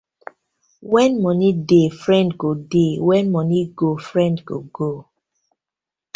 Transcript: When money dey, friend go dey, when money go, friend go go.